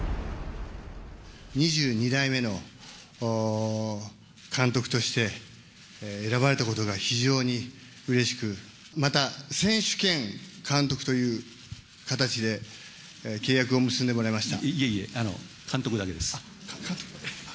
２２代目の監督として選ばれたことが非常にうれしく、また、選手兼監督という形で契約を結んでもらいました。